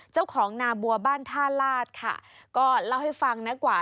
เจ้าของนาบัวบ้านท่าลาศค่ะก็เล่าให้ฟังนะกว่า